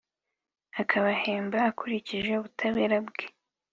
akabahemba akurikije ubutabera bwe.